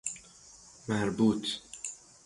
مربوط